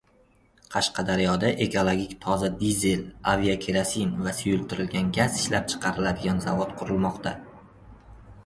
Qashqadaryoda ekologik toza dizel, avia kerosin va suyultirilgan gaz ishlab chiqaradigan zavod qurilmoqda